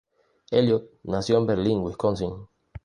Elliott nació en Berlín, Wisconsin.